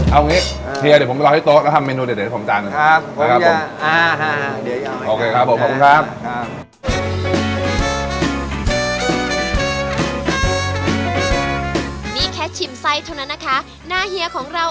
เอางี้เดี๋ยวเด๋ยวผมไปรอที่โต๊ะแล้วทำเมนูเดี๋ยวผมจานหนึ่ง